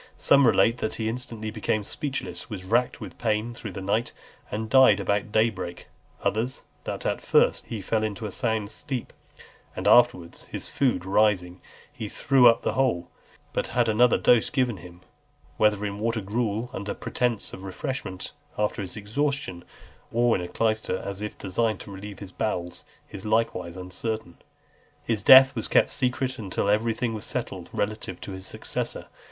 Some relate that he instantly became speechless, was racked with pain through the night, and died about day break; others, that at first he fell into a sound sleep, and afterwards, his food rising, he threw up the whole; but had another dose given him; whether in water gruel, under pretence of refreshment after his exhaustion, or in a clyster, as if designed to relieve his bowels, is likewise uncertain. XLV. His death was kept secret until everything was settled relative to his successor.